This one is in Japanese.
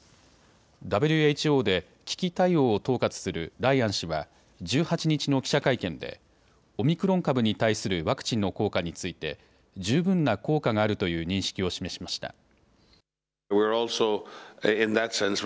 ＷＨＯで危機対応を統括するライアン氏は１８日の記者会見でオミクロン株に対するワクチンの効果について十分な効果があるという認識を示しました。